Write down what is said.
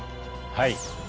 はい。